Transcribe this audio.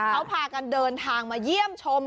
เขาพากันเดินทางมาเยี่ยมชม